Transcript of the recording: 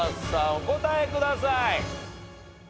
お答えください。